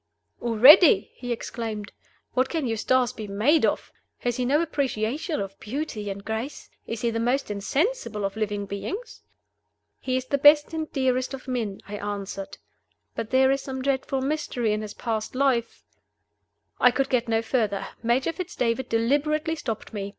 "Already!" he exclaimed. "What can Eustace be made of? Has he no appreciation of beauty and grace? Is he the most insensible of living beings?" "He is the best and dearest of men," I answered. "But there is some dreadful mystery in his past life " I could get no further; Major Fitz David deliberately stopped me.